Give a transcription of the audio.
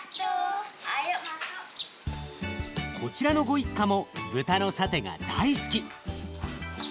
こちらのご一家も豚のサテが大好き。